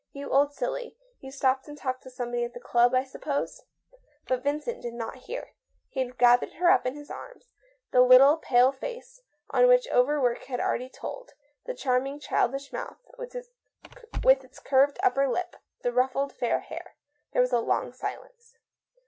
"You old silly, you stopped and talked to somebody at the club, I sup pose ?" But Vincent did not hear. He had gathered her up in his arms, the little, pale face, on which overwork had already told, the charming, childish mouth, with its curved upper lip, the ruffled fair hair. There was a long silence.